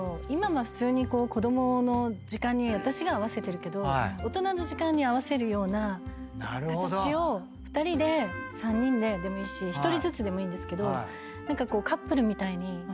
今は普通に子供の時間に私が合わせてるけど大人の時間に合わせるような形を２人で３人ででもいいし１人ずつでもいいんですけど何かこう。